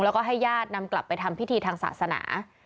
แล้วก็ให้ญาตินำกลับไปทำพิธีทางศาสนา